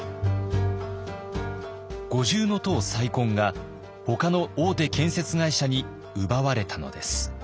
五重塔再建がほかの大手建設会社に奪われたのです。